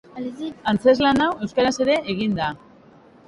Antzezlan hau euskaraz ere egin da.